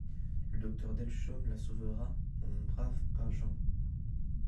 «Le docteur Delchaume la sauvera, mon brave Pageant.